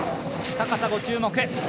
高さ、ご注目。